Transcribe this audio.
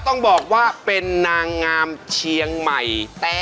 นางงามเชียงใหม่